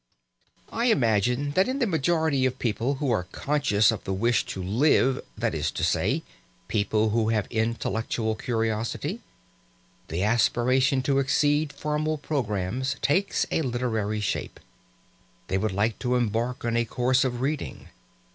I imagine that in the majority of people who are conscious of the wish to live that is to say, people who have intellectual curiosity the aspiration to exceed formal programmes takes a literary shape. They would like to embark on a course of reading.